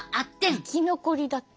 生き残りだって。